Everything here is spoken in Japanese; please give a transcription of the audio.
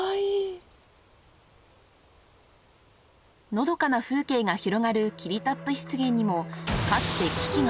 ［のどかな風景が広がる霧多布湿原にもかつて危機が］